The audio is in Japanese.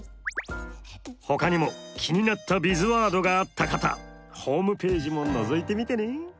ほかにも気になったビズワードがあった方ホームページものぞいてみてね！